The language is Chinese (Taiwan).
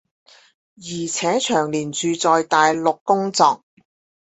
而且長年住在大陸工作